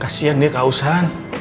kasian dia kausan